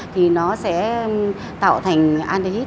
thì nó sẽ tạo thành anti hit